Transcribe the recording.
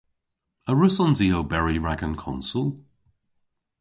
A wrussons i oberi rag an konsel?